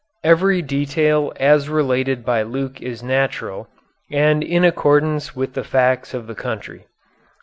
Every detail as related by Luke is natural, and in accordance with the facts of the country.